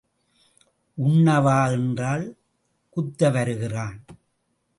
உண்ண வா என்றால் குத்த வருகிறான்.